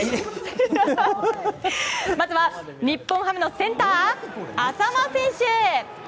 まずは、日本ハムのセンター淺間選手。